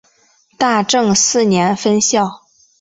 大正四年分校。